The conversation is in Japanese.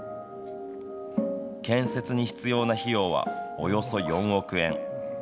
建設に必要な費用はおよそ４億円。